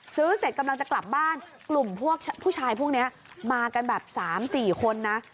ซื้อเสร็จกำลังจะกลับบ้านกลุ่มพวกผู้ชายพวกนี้มากันแบบ๓๔คนนะ